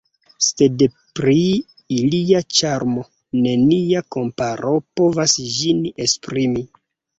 Sed pri ilia ĉarmo, nenia komparo povas ĝin esprimi.